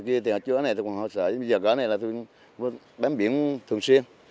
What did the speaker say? chứ trước này tôi còn hồi sợ bây giờ có này là tôi bám biển thường xuyên